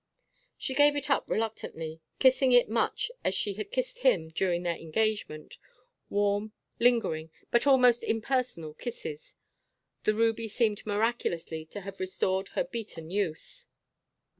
She gave it up reluctantly, kissing it much as she had kissed him during their engagement; warm, lingering, but almost impersonal kisses. The ruby seemed miraculously to have restored her beaten youth.